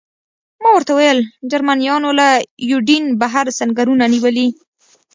ما ورته وویل: جرمنیانو له یوډین بهر سنګرونه نیولي.